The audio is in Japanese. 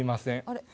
「あれ？